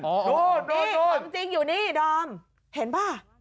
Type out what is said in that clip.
โอ้โฮนี่นี่ความจริงอยู่นี่ดอมเห็นป่ะ